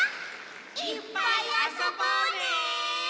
いっぱいあそぼうね！